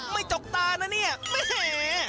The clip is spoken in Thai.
ไม่จกตานะเนี่ยแหม่